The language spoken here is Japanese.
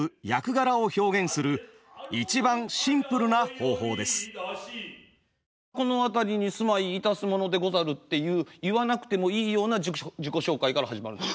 狂言では大抵舞台に登場するとまず「このあたりに住まいいたすものでござる」っていう言わなくてもいいような自己紹介から始まるんです。